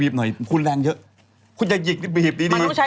บีบหน่อยคุณแรงเยอะคุณอย่าหยิกบีบนี้ดีมั้ย